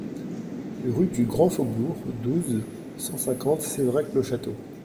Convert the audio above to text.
RUE DU GRAND FAUBOURG, douze, cent cinquante Sévérac-le-Château